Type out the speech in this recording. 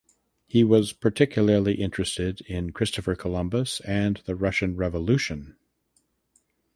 He was particularly interested in Christopher Columbus and the Russian Revolution.